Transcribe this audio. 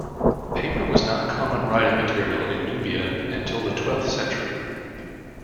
Paper was not common writing material in Nubia until the twelfth century.